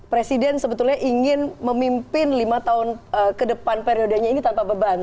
presiden sebetulnya ingin memimpin lima tahun ke depan periodenya ini tanpa beban